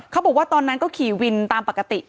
เขาบอกว่าตอนนั้นก็ขี่วินตามปกติ